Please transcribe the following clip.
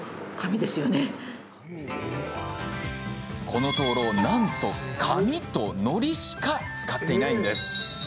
この灯籠、なんと紙とのりしか使っていないんです。